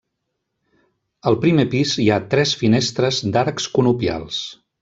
Al primer pis hi ha tres finestres d'arcs conopials.